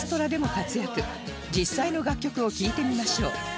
実際の楽曲を聴いてみましょう